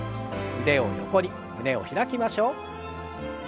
腕を横に胸を開きましょう。